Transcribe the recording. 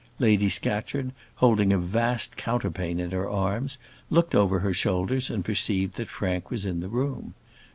Lady Scatcherd, holding a vast counterpane in her arms, looked back over her shoulders and perceived that Frank was in the room.